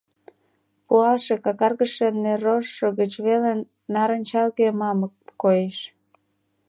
Пуалше, какаргыше неррожшо гыч веле нарынчалге мамык коеш.